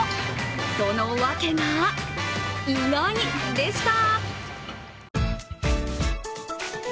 その訳が、意外でした。